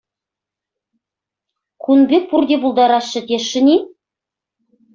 Кун пек пурте пултараҫҫӗ тесшӗн-и?